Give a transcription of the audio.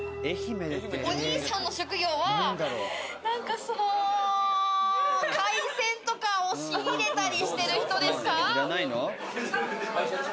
お兄さんの職業は、海鮮とかを仕入れたりしてる人ですか？